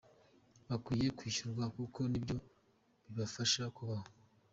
Bakwiye kwishyurwa kuko nibyo bibafasha kubaho.